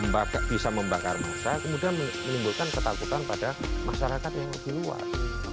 bisa membakar masa kemudian menimbulkan ketakutan pada masyarakat yang lebih luas